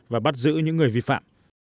và bắt giữ những người vi phạm